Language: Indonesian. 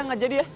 nggak jadi ya